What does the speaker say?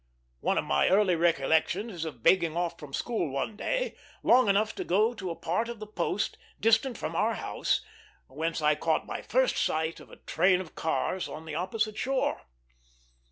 One of my early recollections is of begging off from school one day, long enough to go to a part of the post distant from our house, whence I caught my first sight of a train of cars on the opposite shore.